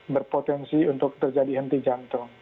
berpotensi untuk terjadi henti jantung